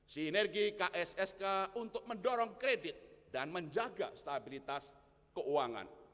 sinergi kssk untuk mendorong kredit dan menjaga stabilitas keuangan